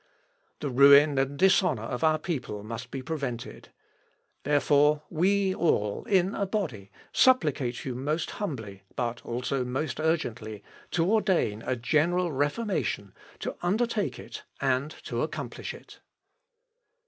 The ruin and dishonour of our people must be prevented. Therefore, we all, in a body, supplicate you most humbly, but also most urgently, to ordain a general reformation, to undertake it, and to accomplish it."